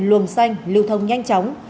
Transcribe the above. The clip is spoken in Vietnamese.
luồng xanh lưu thông nhanh chóng